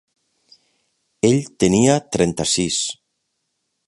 Ell tenia trenta-sis.